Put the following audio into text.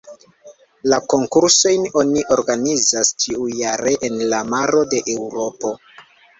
La konkursojn oni organizas ĉiujare en la maro de Eŭropo.